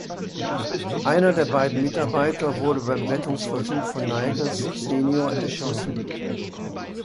Einer der beiden Mitarbeiter wurde beim Rettungsversuch von Nichols senior erschossen.